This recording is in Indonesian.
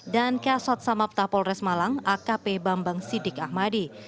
dan kiasat samapta polres malang akp bambang sidik ahmadi